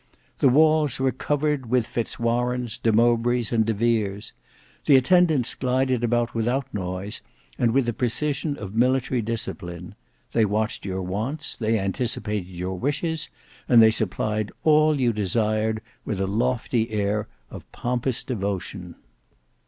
The walls were covered with Fitz Warenes, De Mowbrays, and De Veres. The attendants glided about without noise, and with the precision of military discipline. They watched your wants, they anticipated your wishes, and they supplied all you desired with a lofty air of pompous devotion.